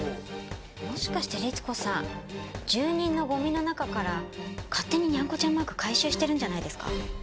もしかして律子さん住人のゴミの中から勝手ににゃんこちゃんマーク回収してるんじゃないですか？